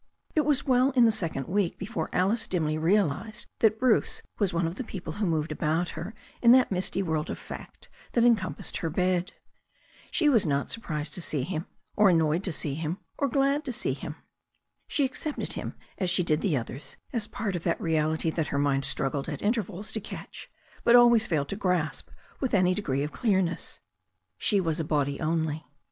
It was well in the second week before Alice dimly real ized that Bruce was one of the people who moved about her in that misty world of fact that encompassed her bed. She was not surprised to see him, or annoyed to see him, or glad to see him. She accepted him as she did the others as part of that reality that her mind struggled at mtcrvals to catch, but always failed to grasp with any de gree of clearness. She was a body only.